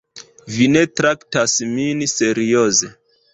Vi ne traktas min serioze.